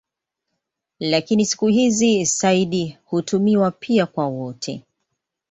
Lakini siku hizi "sayyid" hutumiwa pia kwa wote.